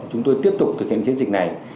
chúng tôi tiếp tục thực hiện chiến dịch này